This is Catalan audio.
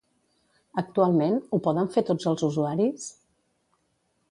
Actualment, ho poden fer tots els usuaris?